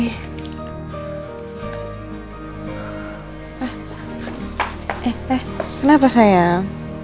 eh eh kenapa sayang